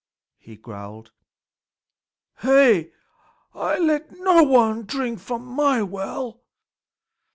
he growled. "Hey! I let no one drink from my well."